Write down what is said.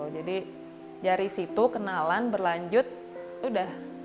jadi dari situ kenalan berlanjut udah